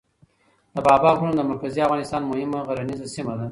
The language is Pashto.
د بابا غرونه د مرکزي افغانستان مهمه غرنیزه سیمه ده.